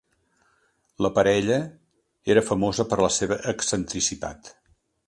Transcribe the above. La parella era famosa per la seva excentricitat.